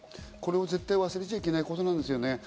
これを絶対忘れちゃいけないことなんですよね。